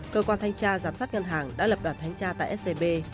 cơ quan thanh tra giám sát ngân hàng đã lập đoàn thanh tra tại scb